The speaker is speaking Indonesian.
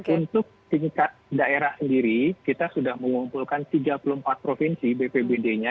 untuk tingkat daerah sendiri kita sudah mengumpulkan tiga puluh empat provinsi bpbd nya